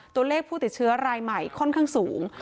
ตัวเลขผู้ติดเชื้อรายใหม่ค่อนข้างสูง